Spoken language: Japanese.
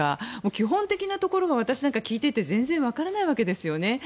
基本的なところが私なんか聞いていて全然わからないわけですよね。